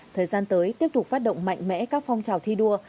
thời gian tới tiếp tục phát động mạnh mẽ các phong trào thi đua